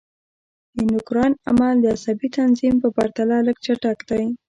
د اندوکراین عمل د عصبي تنظیم په پرتله لږ چټک دی.